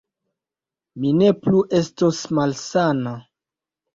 Mi ne plu estos malsana